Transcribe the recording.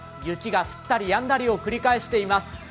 雪が降ったりやんだりを繰り返しています。